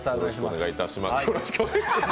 よろしくお願いします